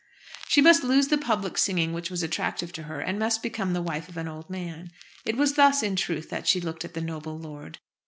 She must lose the public singing which was attractive to her, and must become the wife of an old man. It was thus in truth that she looked at the noble lord.